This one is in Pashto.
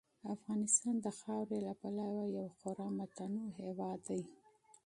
افغانستان د خاورې له پلوه یو خورا متنوع هېواد دی.